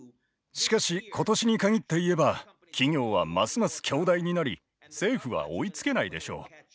しかし今年に限って言えば企業はますます強大になり政府は追いつけないでしょう。